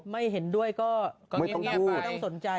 ไม่เห็นด้วยก็ไม่ต้องสนใจ